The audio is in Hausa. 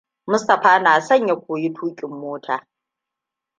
Mustapha na son ya koyi tuƙin mota.